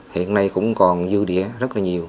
hiện nay cũng còn dư địa rất là nhiều